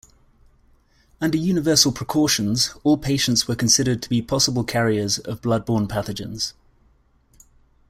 Under universal precautions all patients were considered to be possible carriers of blood-borne pathogens.